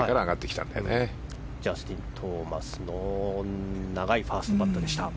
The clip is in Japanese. ジャスティン・トーマスの長いファーストパットでした。